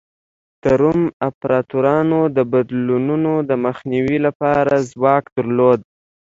د روم امپراتورانو د بدلونونو د مخنیوي لپاره ځواک درلود.